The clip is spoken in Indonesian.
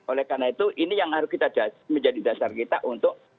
oleh karena itu ini yang harus kita menjadi dasar kita untuk